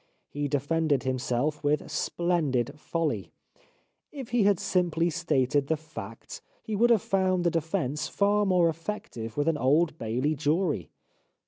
He defended himself with splendid folly. If he had simply stated the facts he would have found the defence far more effective with an Old Bailey jury.